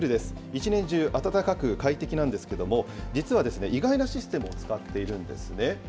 一年中、温かく快適なんですけれども、実は意外なシステムを使っているんですね。